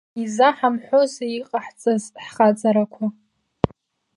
Изаҳамҳәозеи иҟаҳҵаз ҳхаҵарақәа?